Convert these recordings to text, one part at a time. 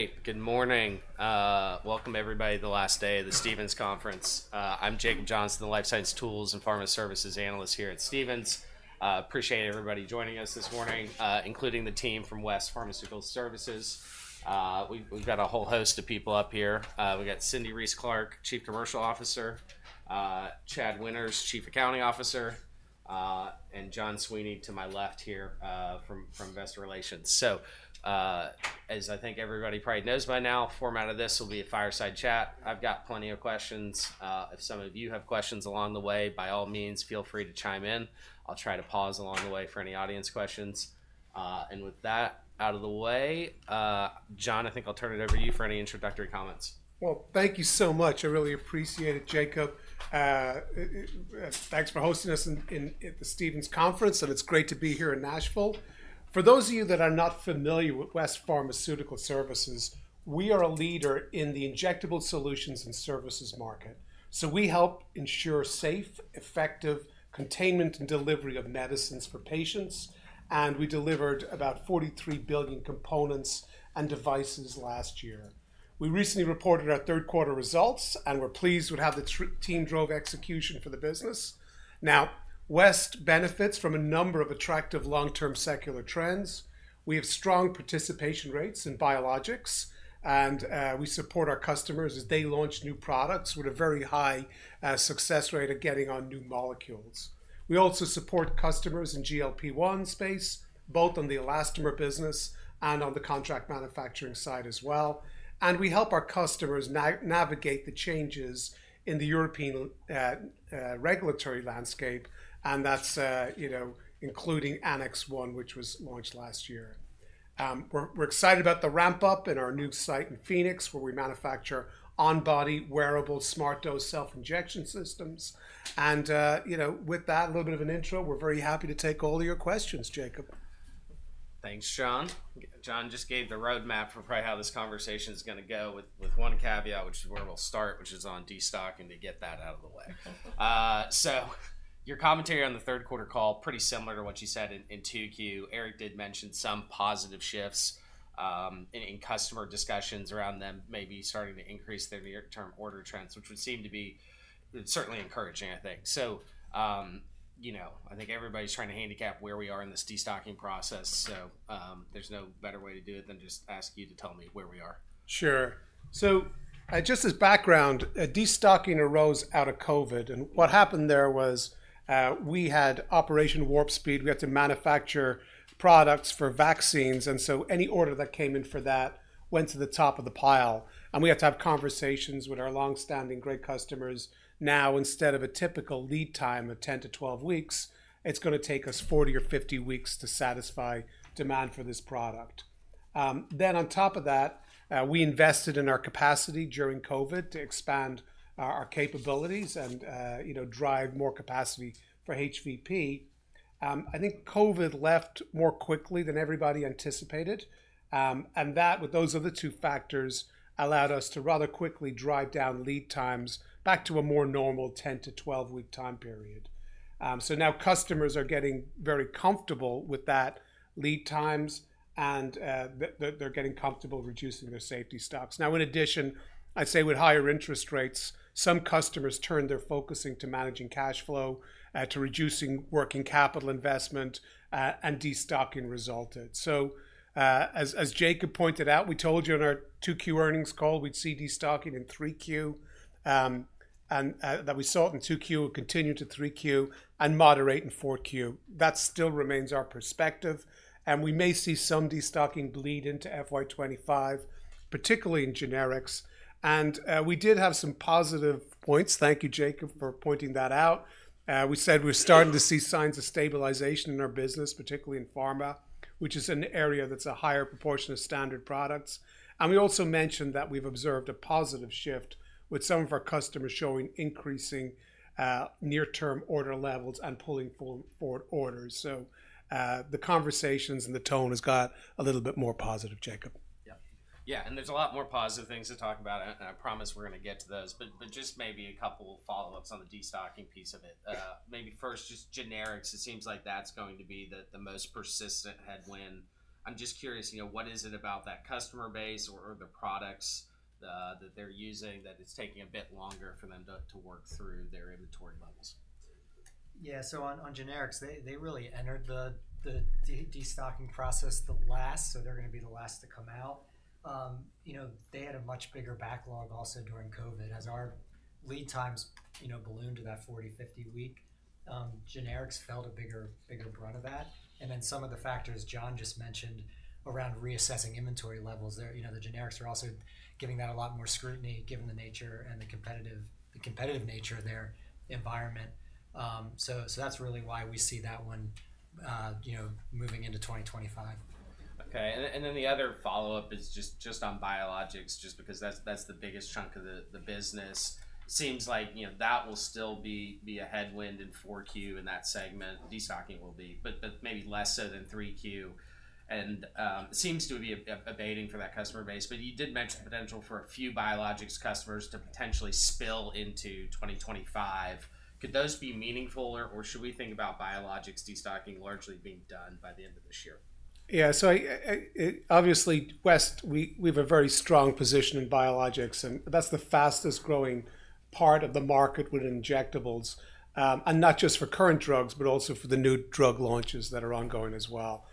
All right, good morning. Welcome, everybody, to the last day of the Stephens' Conference. I'm Jacob Johnson, the Life Science Tools and Pharma Services Analyst here at Stephens. Appreciate everybody joining us this morning, including the team from West Pharmaceutical Services. We've got a whole host of people up here. We've got Cindy Reiss-Clark, Chief Commercial Officer, Chad Winters, Chief Accounting Officer, and John Sweeney to my left here from Investor Relations. So, as I think everybody probably knows by now, the format of this will be a fireside chat. I've got plenty of questions. If some of you have questions along the way, by all means, feel free to chime in. I'll try to pause along the way for any audience questions, and with that out of the way, John, I think I'll turn it over to you for any introductory comments. Thank you so much. I really appreciate it, Jacob. Thanks for hosting us at the Stephens' Conference, and it's great to be here in Nashville. For those of you that are not familiar with West Pharmaceutical Services, we are a leader in the injectable solutions and services market, so we help ensure safe, effective containment and delivery of medicines for patients, and we delivered about 43 billion components and devices last year. We recently reported our third quarter results, and we're pleased we have the team-driven execution for the business. Now, West benefits from a number of attractive long-term secular trends. We have strong participation rates in biologics, and we support our customers as they launch new products with a very high success rate of getting on new molecules. We also support customers in GLP-1 space, both on the elastomer business and on the contract manufacturing side as well. And we help our customers navigate the changes in the European regulatory landscape, and that's including Annex 1, which was launched last year. We're excited about the ramp-up in our new site in Phoenix, where we manufacture on-body wearable SmartDose self-injection systems. And with that, a little bit of an intro, we're very happy to take all of your questions, Jacob. Thanks, John. John just gave the roadmap for probably how this conversation is going to go, with one caveat, which is where we'll start, which is on destocking to get that out of the way. So your commentary on the third quarter call, pretty similar to what you said in 2Q. Eric did mention some positive shifts in customer discussions around them maybe starting to increase their near-term order trends, which would seem to be certainly encouraging, I think. So I think everybody's trying to handicap where we are in this destocking process, so there's no better way to do it than just ask you to tell me where we are. Sure. So, just as background, destocking arose out of COVID, and what happened there was we had Operation Warp Speed. We had to manufacture products for vaccines, and so any order that came in for that went to the top of the pile, and we had to have conversations with our longstanding great customers now. Instead of a typical lead time of 10-12 weeks, it's going to take us 40 or 50 weeks to satisfy demand for this product. Then, on top of that, we invested in our capacity during COVID to expand our capabilities and drive more capacity for HVP. I think COVID left more quickly than everybody anticipated, and that, with those other two factors, allowed us to rather quickly drive down lead times back to a more normal 10-12-week time period. So now customers are getting very comfortable with that lead times, and they're getting comfortable reducing their safety stocks. Now, in addition, I'd say with higher interest rates, some customers turned their focusing to managing cash flow, to reducing working capital investment, and destocking resulted. So as Jacob pointed out, we told you in our 2Q earnings call we'd see destocking in 3Q, and that we saw it in 2Q and continue to 3Q, and moderate in 4Q. That still remains our perspective, and we may see some destocking bleed into FY2025, particularly in generics, and we did have some positive points. Thank you, Jacob, for pointing that out. We said we were starting to see signs of stabilization in our business, particularly in pharma, which is an area that's a higher proportion of standard products. And we also mentioned that we've observed a positive shift with some of our customers showing increasing near-term order levels and pulling forward orders. So the conversations and the tone has got a little bit more positive, Jacob. Yeah, yeah, and there's a lot more positive things to talk about, and I promise we're going to get to those. But just maybe a couple of follow-ups on the destocking piece of it. Maybe first, just generics. It seems like that's going to be the most persistent headwind. I'm just curious, what is it about that customer base or the products that they're using that it's taking a bit longer for them to work through their inventory levels? Yeah, so on generics, they really entered the destocking process the last, so they're going to be the last to come out. They had a much bigger backlog also during COVID. As our lead times ballooned to that 40-50 weeks, generics felt a bigger brunt of that. And then some of the factors John just mentioned around reassessing inventory levels, the generics are also giving that a lot more scrutiny given the nature and the competitive nature of their environment. So that's really why we see that one moving into 2025. Okay, and then the other follow-up is just on biologics, just because that's the biggest chunk of the business. It seems like that will still be a headwind in 4Q in that segment. Destocking will be, but maybe less so than 3Q. And it seems to be abating for that customer base. But you did mention potential for a few biologics customers to potentially spill into 2025. Could those be meaningful, or should we think about biologics destocking largely being done by the end of this year? Yeah, so obviously, West, we have a very strong position in biologics, and that's the fastest-growing part of the market with injectables, and not just for current drugs, but also for the new drug launches that are ongoing as well.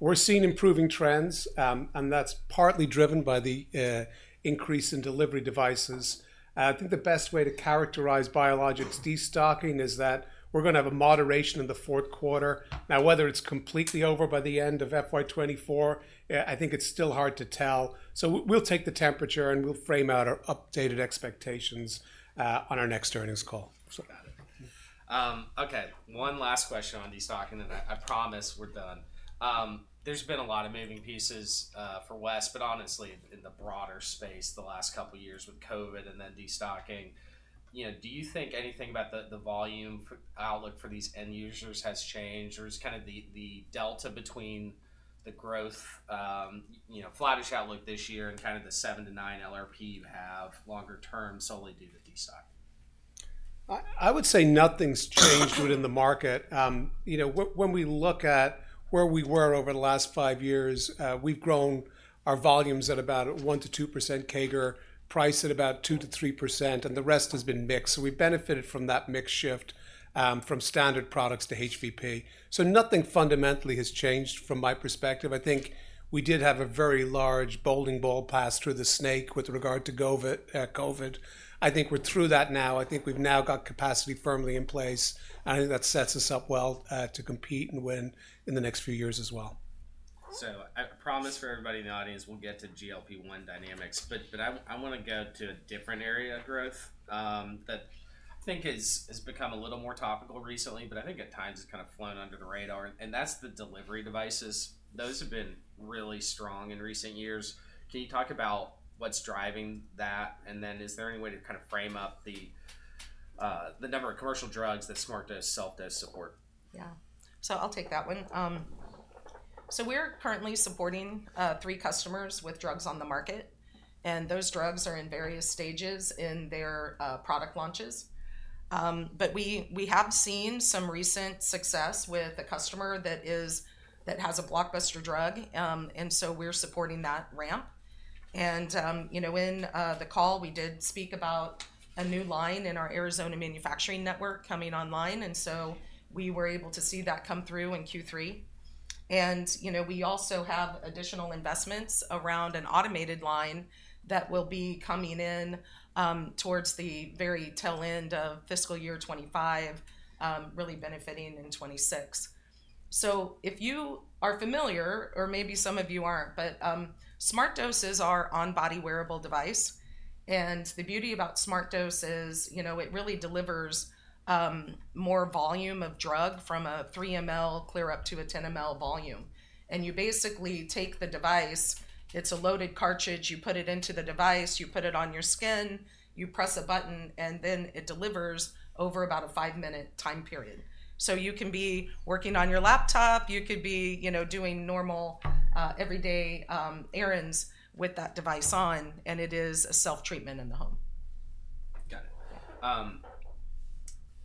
We're seeing improving trends, and that's partly driven by the increase in delivery devices. I think the best way to characterize biologics destocking is that we're going to have a moderation in the fourth quarter. Now, whether it's completely over by the end of FY2024, I think it's still hard to tell, so we'll take the temperature, and we'll frame out our updated expectations on our next earnings call. Okay, one last question on destocking, and then I promise we're done. There's been a lot of moving pieces for West, but honestly, in the broader space, the last couple of years with COVID and then destocking, do you think anything about the volume outlook for these end users has changed, or is kind of the delta between the growth flattish outlook this year and kind of the 7-9 LRP you have longer term solely due to destocking? I would say nothing's changed within the market. When we look at where we were over the last five years, we've grown our volumes at about 1%-2% CAGR, price at about 2%-3%, and the rest has been mixed. So we've benefited from that mix shift from standard products to HVP. So nothing fundamentally has changed from my perspective. I think we did have a very large bowling ball pass through the snake with regard to COVID. I think we're through that now. I think we've now got capacity firmly in place, and I think that sets us up well to compete and win in the next few years as well. I promise for everybody in the audience, we'll get to GLP-1 dynamics, but I want to go to a different area of growth that I think has become a little more topical recently, but I think at times it's kind of flown under the radar, and that's the delivery devices. Those have been really strong in recent years. Can you talk about what's driving that, and then is there any way to kind of frame up the number of commercial drugs that SmartDose SelfDose support? Yeah, so I'll take that one, so we're currently supporting three customers with drugs on the market, and those drugs are in various stages in their product launches, but we have seen some recent success with a customer that has a blockbuster drug, and so we're supporting that ramp, and in the call, we did speak about a new line in our Arizona manufacturing network coming online, and so we were able to see that come through in Q3, and we also have additional investments around an automated line that will be coming in towards the very tail end of fiscal year 2025, really benefiting in 2026, so if you are familiar, or maybe some of you aren't, but SmartDose is our on-body wearable device, and the beauty about SmartDose is it really delivers more volume of drug from a 3 mL clear up to a 10 mL volume. You basically take the device, it's a loaded cartridge, you put it into the device, you put it on your skin, you press a button, and then it delivers over about a five-minute time period. You can be working on your laptop, you could be doing normal everyday errands with that device on, and it is a self-treatment in the home. Got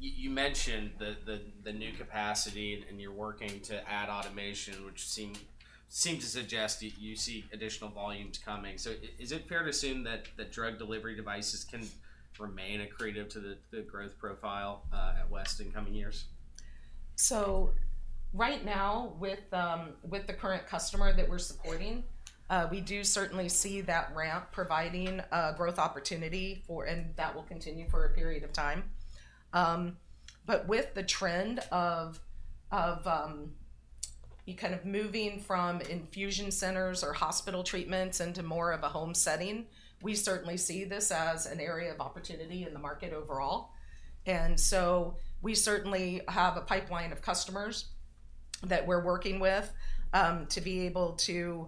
it. You mentioned the new capacity, and you're working to add automation, which seems to suggest you see additional volumes coming. So is it fair to assume that drug delivery devices can remain accretive to the growth profile at West in coming years? So right now, with the current customer that we're supporting, we do certainly see that ramp providing a growth opportunity, and that will continue for a period of time. But with the trend of kind of moving from infusion centers or hospital treatments into more of a home setting, we certainly see this as an area of opportunity in the market overall. And so we certainly have a pipeline of customers that we're working with to be able to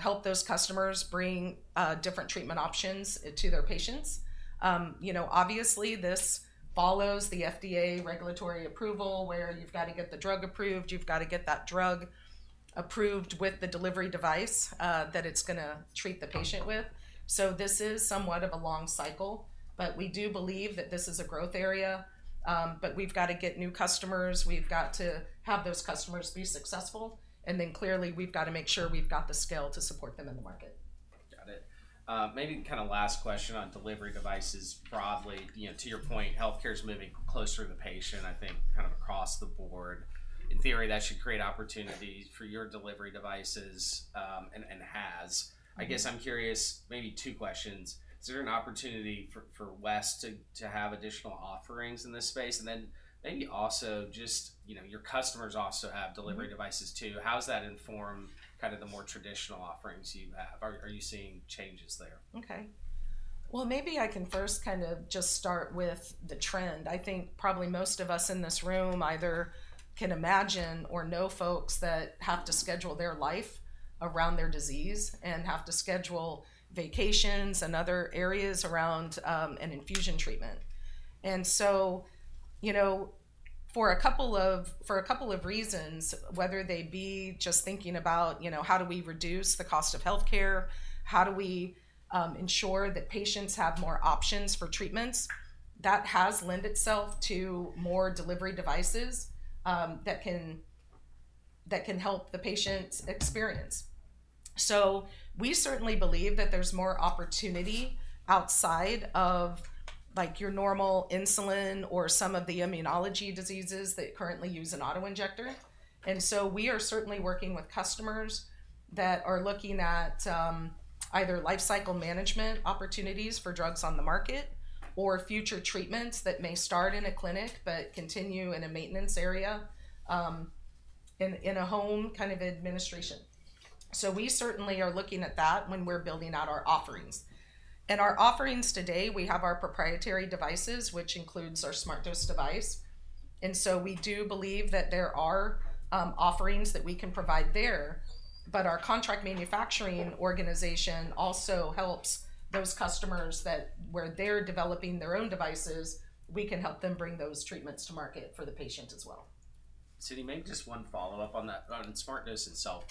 help those customers bring different treatment options to their patients. Obviously, this follows the FDA regulatory approval where you've got to get the drug approved, you've got to get that drug approved with the delivery device that it's going to treat the patient with. So this is somewhat of a long cycle, but we do believe that this is a growth area. But we've got to get new customers, we've got to have those customers be successful, and then clearly we've got to make sure we've got the skill to support them in the market. Got it. Maybe kind of last question on delivery devices broadly. To your point, healthcare is moving closer to the patient, I think, kind of across the board. In theory, that should create opportunities for your delivery devices and has. I guess I'm curious, maybe two questions. Is there an opportunity for West to have additional offerings in this space? And then maybe also just your customers also have delivery devices too. How does that inform kind of the more traditional offerings you have? Are you seeing changes there? Okay, well, maybe I can first kind of just start with the trend. I think probably most of us in this room either can imagine or know folks that have to schedule their life around their disease and have to schedule vacations and other areas around an infusion treatment. And so for a couple of reasons, whether they be just thinking about how do we reduce the cost of healthcare, how do we ensure that patients have more options for treatments, that has lent itself to more delivery devices that can help the patient's experience. So we certainly believe that there's more opportunity outside of your normal insulin or some of the immunology diseases that currently use an autoinjector. And so we are certainly working with customers that are looking at either life cycle management opportunities for drugs on the market or future treatments that may start in a clinic but continue in a maintenance area in a home kind of administration. So we certainly are looking at that when we're building out our offerings. And our offerings today, we have our proprietary devices, which includes our SmartDose device. And so we do believe that there are offerings that we can provide there, but our contract manufacturing organization also helps those customers that, where they're developing their own devices, we can help them bring those treatments to market for the patient as well. Cindy, maybe just one follow-up on that. On SmartDose itself,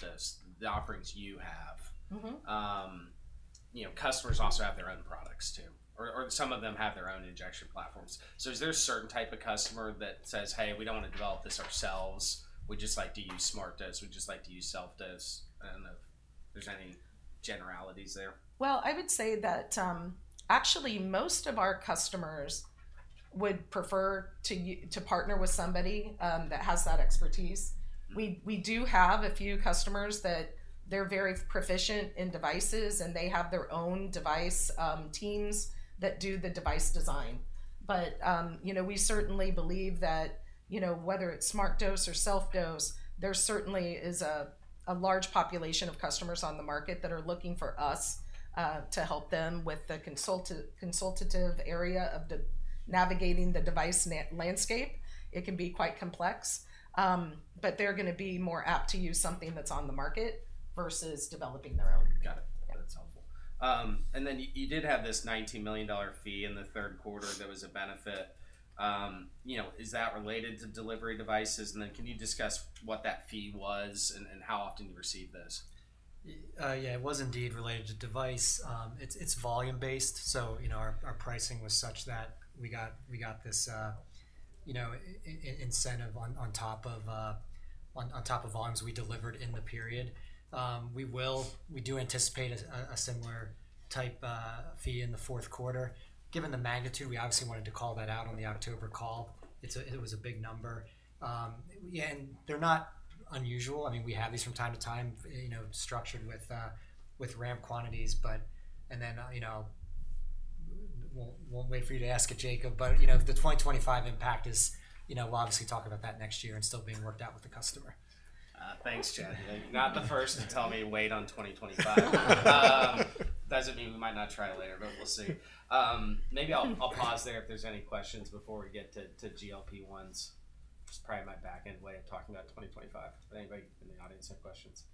the offerings you have, customers also have their own products too, or some of them have their own injection platforms. So is there a certain type of customer that says, "Hey, we don't want to develop this ourselves. We'd just like to use SmartDose. We'd just like to use SelfDose"? I don't know if there's any generalities there. I would say that actually most of our customers would prefer to partner with somebody that has that expertise. We do have a few customers that they're very proficient in devices, and they have their own device teams that do the device design. We certainly believe that whether it's SmartDose or SelfDose, there certainly is a large population of customers on the market that are looking for us to help them with the consultative area of navigating the device landscape. It can be quite complex, but they're going to be more apt to use something that's on the market versus developing their own. Got it. That's helpful. And then you did have this $19 million fee in the third quarter that was a benefit. Is that related to delivery devices? And then can you discuss what that fee was and how often you received those? Yeah, it was indeed related to device. It's volume-based, so our pricing was such that we got this incentive on top of volumes we delivered in the period. We do anticipate a similar type fee in the fourth quarter. Given the magnitude, we obviously wanted to call that out on the October call. It was a big number. Yeah, and they're not unusual. I mean, we have these from time to time structured with ramp quantities, but then we won't wait for you to ask it, Jacob, but the 2025 impact is we'll obviously talk about that next year and still being worked out with the customer. Thanks, Chad. Not the first to tell me wait on 2025. That doesn't mean we might not try later, but we'll see. Maybe I'll pause there if there's any questions before we get to GLP-1s. It's probably my back-end way of talking about 2025. But anybody in the audience have questions?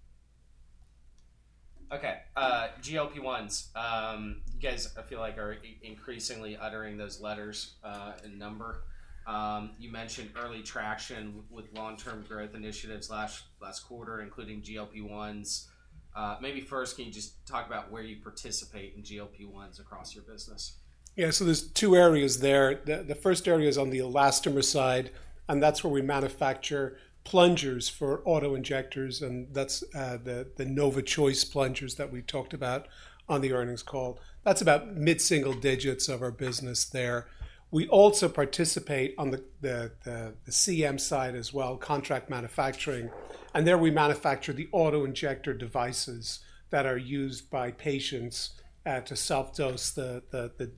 Okay, GLP-1s. You guys I feel like are increasingly uttering those letters and number. You mentioned early traction with long-term growth initiatives last quarter, including GLP-1s. Maybe first, can you just talk about where you participate in GLP-1s across your business? Yeah, so there's two areas there. The first area is on the elastomer side, and that's where we manufacture plungers for auto-injectors, and that's the NovaChoice plungers that we talked about on the earnings call. That's about mid-single digits of our business there. We also participate on the CM side as well, contract manufacturing, and there we manufacture the auto-injector devices that are used by patients to self-dose the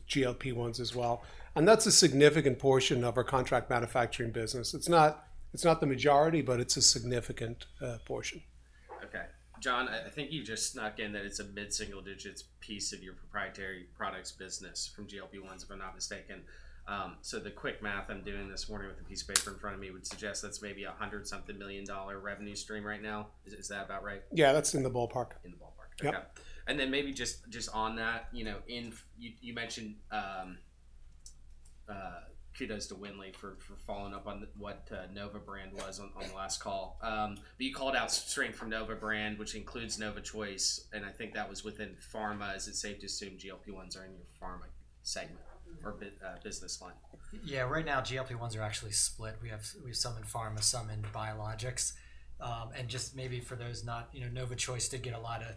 GLP-1s as well, and that's a significant portion of our contract manufacturing business. It's not the majority, but it's a significant portion. Okay, John, I think you just snuck in that it's a mid-single digits piece of your proprietary products business from GLP-1s, if I'm not mistaken. So the quick math I'm doing this morning with the piece of paper in front of me would suggest that's maybe a $100-something million-dollar revenue stream right now. Is that about right? Yeah, that's in the ballpark. In the ballpark. Okay. And then maybe just on that, you mentioned kudos to Windley for following up on what NovaPure was on the last call. But you called out strength from NovaPure, which includes NovaChoice, and I think that was within pharma. Is it safe to assume GLP-1s are in your pharma segment or business line? Yeah, right now GLP-1s are actually split. We have some in pharma, some in biologics, and just maybe for those not, NovaChoice did get a lot of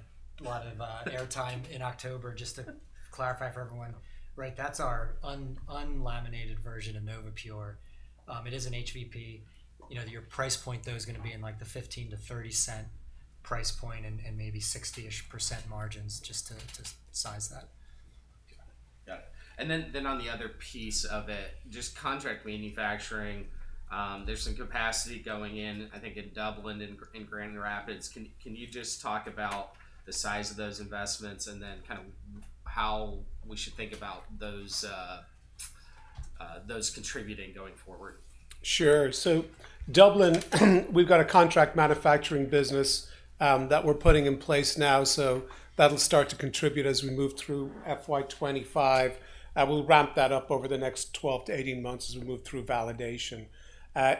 airtime in October. Just to clarify for everyone, right, that's our unlaminated version of NovaPure. It is an HVP. Your price point, though, is going to be in the $0.15-$0.30 price point and maybe 60%-ish margins just to size that. Got it. Got it. And then on the other piece of it, just contract manufacturing, there's some capacity going in, I think, in Dublin and Grand Rapids. Can you just talk about the size of those investments and then kind of how we should think about those contributing going forward? Sure, so Dublin, we've got a contract manufacturing business that we're putting in place now, so that'll start to contribute as we move through FY2025. We'll ramp that up over the next 12-18 months as we move through validation.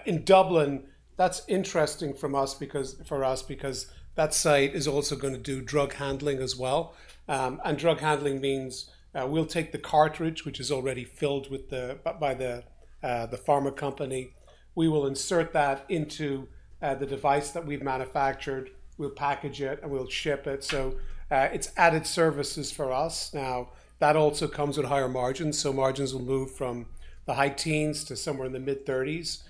In Dublin, that's interesting for us because that site is also going to do drug handling as well, and drug handling means we'll take the cartridge, which is already filled by the pharma company. We will insert that into the device that we've manufactured. We'll package it and we'll ship it, so it's added services for us. Now, that also comes with higher margins, so margins will move from the high teens to somewhere in the mid-30s.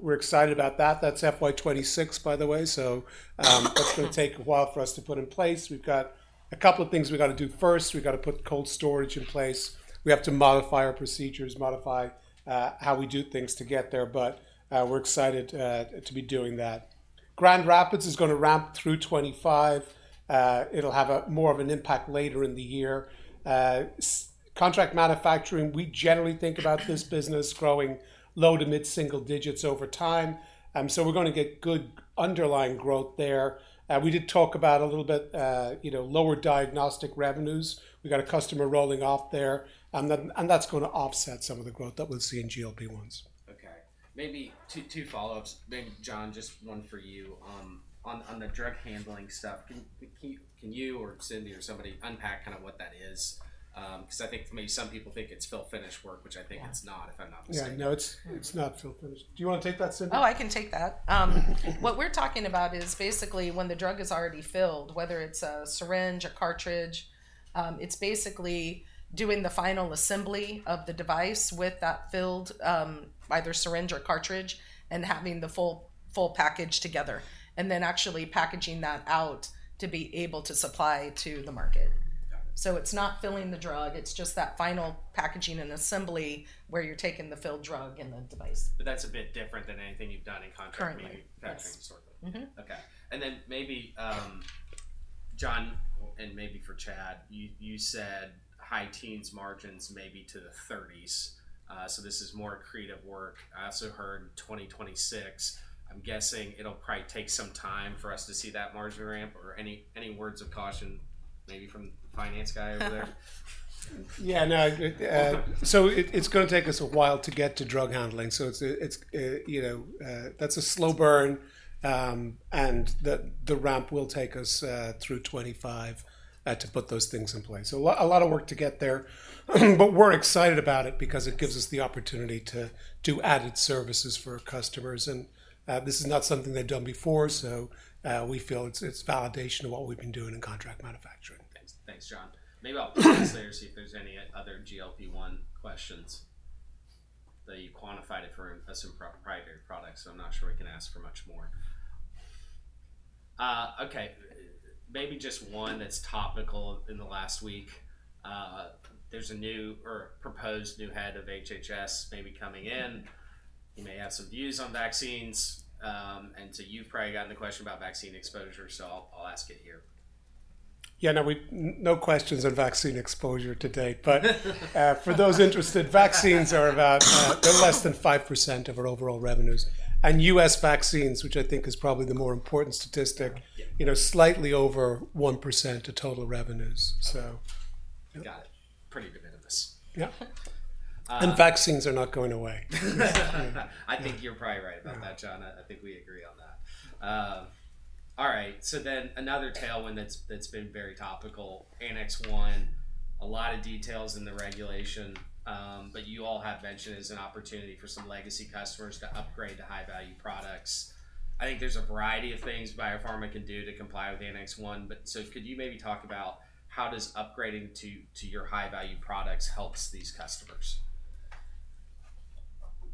We're excited about that. That's FY2026, by the way, so that's going to take a while for us to put in place. We've got a couple of things we've got to do first. We've got to put cold storage in place. We have to modify our procedures, modify how we do things to get there, but we're excited to be doing that. Grand Rapids is going to ramp through 2025. It'll have more of an impact later in the year. Contract manufacturing, we generally think about this business growing low to mid-single digits over time. So we're going to get good underlying growth there. We did talk about a little bit lower diagnostic revenues. We've got a customer rolling off there, and that's going to offset some of the growth that we'll see in GLP-1s. Okay. Maybe two follow-ups. Maybe, John, just one for you. On the drug handling stuff, can you or Cindy or somebody unpack kind of what that is? Because I think maybe some people think it's fill-finish work, which I think it's not, if I'm not mistaken. Yeah, no, it's not fill-finish. Do you want to take that, Cindy? Oh, I can take that. What we're talking about is basically when the drug is already filled, whether it's a syringe or cartridge. It's basically doing the final assembly of the device with that filled either syringe or cartridge and having the full package together, and then actually packaging that out to be able to supply to the market. So it's not filling the drug. It's just that final packaging and assembly where you're taking the filled drug in the device. But that's a bit different than anything you've done in contract manufacturing sort of. Correct. Okay. And then maybe, John, and maybe for Chad, you said high teens margins maybe to the 30s. So this is more creative work. I also heard 2026. I'm guessing it'll probably take some time for us to see that margin ramp. Or any words of caution maybe from the finance guy over there? Yeah, no. So it's going to take us a while to get to drug handling. So that's a slow burn, and the ramp will take us through 2025 to put those things in place. So a lot of work to get there, but we're excited about it because it gives us the opportunity to do added services for our customers. And this is not something they've done before, so we feel it's validation of what we've been doing in contract manufacturing. Thanks, John. Maybe I'll pause there to see if there's any other GLP-1 questions. You quantified it for us in proprietary products, so I'm not sure we can ask for much more. Okay, maybe just one that's topical in the last week. There's a new or proposed new head of HHS maybe coming in. He may have some views on vaccines. And so you've probably gotten the question about vaccine exposure, so I'll ask it here. Yeah, no, no questions on vaccine exposure today. But for those interested, vaccines are about less than 5% of our overall revenues. And U.S. vaccines, which I think is probably the more important statistic, slightly over 1% of total revenues, so. Got it. Pretty good into this. Yeah. And vaccines are not going away. I think you're probably right about that, John. I think we agree on that. All right. So then another tailwind that's been very topical, Annex 1, a lot of details in the regulation, but you all have mentioned it's an opportunity for some legacy customers to upgrade to high-value products. I think there's a variety of things biopharma can do to comply with Annex 1. But so could you maybe talk about how does upgrading to your high-value products helps these customers?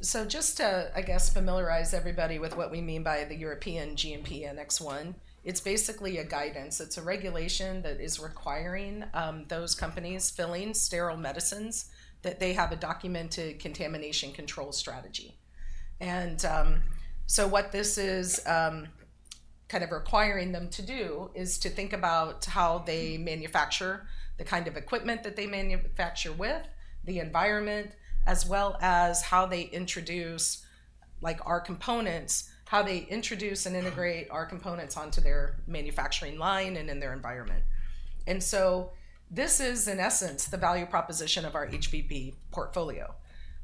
Just to, I guess, familiarize everybody with what we mean by the European GMP Annex 1, it's basically a guidance. It's a regulation that is requiring those companies filling sterile medicines that they have a documented contamination control strategy. What this is kind of requiring them to do is to think about how they manufacture, the kind of equipment that they manufacture with, the environment, as well as how they introduce our components, how they introduce and integrate our components onto their manufacturing line and in their environment. This is, in essence, the value proposition of our HVP portfolio.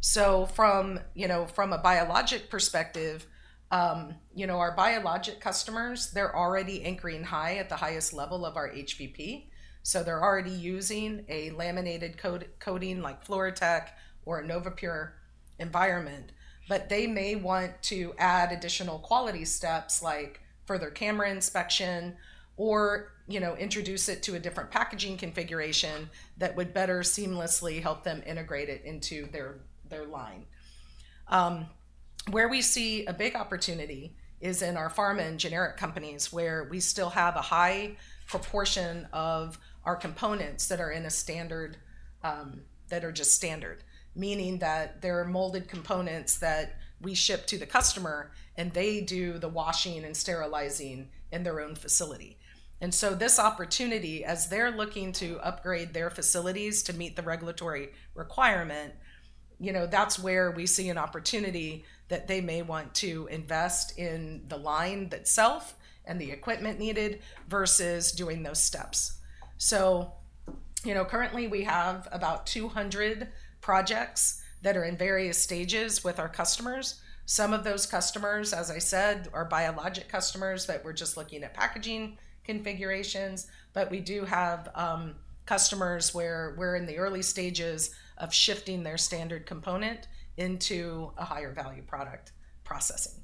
From a biologic perspective, our biologic customers, they're already anchoring high at the highest level of our HVP. So they're already using a laminated coating like FluroTec or NovaPure environment, but they may want to add additional quality steps like further camera inspection or introduce it to a different packaging configuration that would better seamlessly help them integrate it into their line. Where we see a big opportunity is in our pharma and generic companies where we still have a high proportion of our components that are in a standard that are just standard, meaning that there are molded components that we ship to the customer, and they do the washing and sterilizing in their own facility. And so this opportunity, as they're looking to upgrade their facilities to meet the regulatory requirement, that's where we see an opportunity that they may want to invest in the line itself and the equipment needed versus doing those steps. So currently, we have about 200 projects that are in various stages with our customers. Some of those customers, as I said, are biologic customers that we're just looking at packaging configurations, but we do have customers where we're in the early stages of shifting their standard component into a high-value product processing.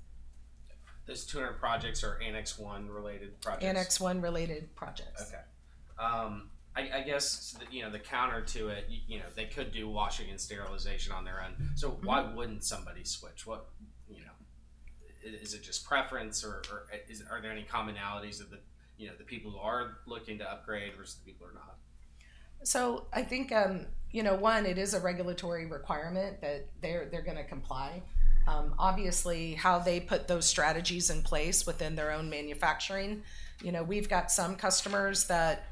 Those 200 projects are Annex 1-related projects? Annex 1-related projects. Okay. I guess the counter to it, they could do washing and sterilization on their own. So why wouldn't somebody switch? Is it just preference, or are there any commonalities of the people who are looking to upgrade versus the people who are not? So I think, one, it is a regulatory requirement that they're going to comply. Obviously, how they put those strategies in place within their own manufacturing. We've got some customers that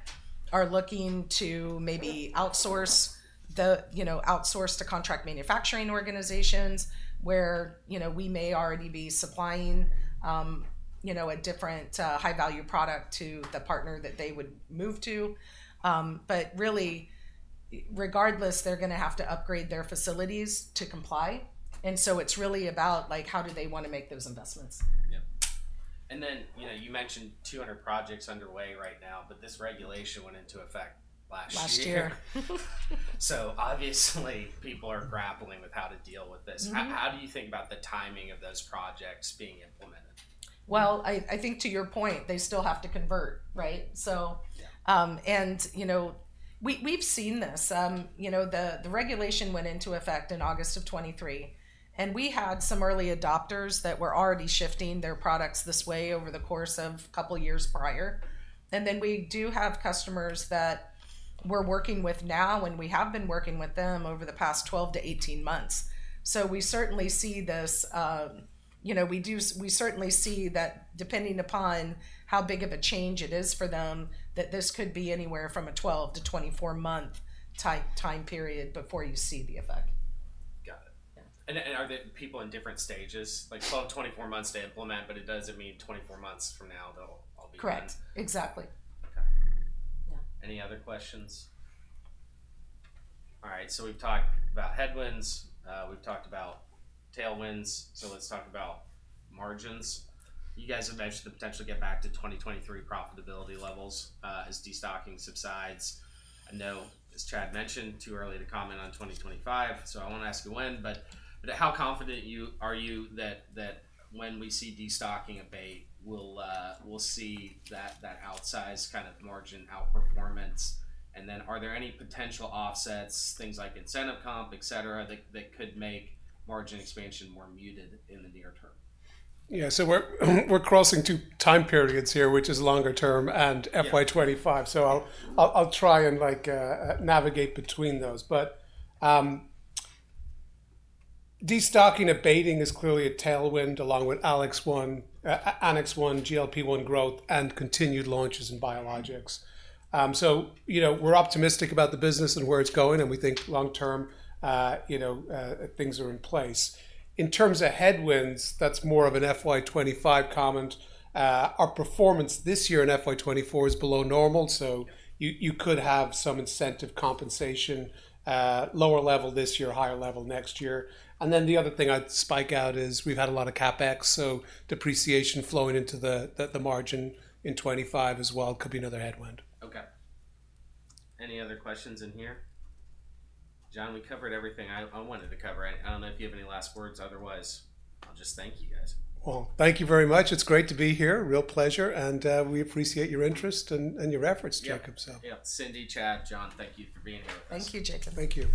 are looking to maybe outsource to contract manufacturing organizations where we may already be supplying a different high-value product to the partner that they would move to. But really, regardless, they're going to have to upgrade their facilities to comply. And so it's really about how do they want to make those investments. Yeah, and then you mentioned 200 projects underway right now, but this regulation went into effect last year. Last year. So obviously, people are grappling with how to deal with this. How do you think about the timing of those projects being implemented? Well, I think to your point, they still have to convert, right? And we've seen this. The regulation went into effect in August of 2023, and we had some early adopters that were already shifting their products this way over the course of a couple of years prior. And then we do have customers that we're working with now, and we have been working with them over the past 12-18 months. So we certainly see this. We certainly see that depending upon how big of a change it is for them, that this could be anywhere from a 12-24-month type time period before you see the effect. Got it. And are the people in different stages? 12, 24 months to implement, but it doesn't mean 24 months from now they'll all be done. Correct. Exactly. Okay. Any other questions? All right. So we've talked about headwinds. We've talked about tailwinds. So let's talk about margins. You guys have mentioned the potential to get back to 2023 profitability levels as destocking subsides. I know, as Chad mentioned, too early to comment on 2025, so I won't ask you when, but how confident are you that when we see destocking abate, we'll see that outsized kind of margin outperformance? And then are there any potential offsets, things like incentive comp, etc., that could make margin expansion more muted in the near term? Yeah. So we're crossing two time periods here, which is longer term and FY2025. So I'll try and navigate between those. But destocking abating is clearly a tailwind along with Annex 1, GLP-1 growth, and continued launches in biologics. So we're optimistic about the business and where it's going, and we think long-term things are in place. In terms of headwinds, that's more of an FY2025 comment. Our performance this year in FY2024 is below normal, so you could have some incentive compensation, lower level this year, higher level next year. And then the other thing I'd call out is we've had a lot of CapEx, so depreciation flowing into the margin in 2025 as well could be another headwind. Okay. Any other questions in here? John, we covered everything I wanted to cover. I don't know if you have any last words. Otherwise, I'll just thank you guys. Well, thank you very much. It's great to be here. Real pleasure. And we appreciate your interest and your efforts, Jacob, so. Yeah. Cindy, Chad, John, thank you for being here with us. Thank you, Jacob. Thank you.